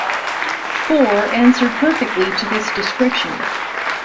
Faure answered perfectly to this description.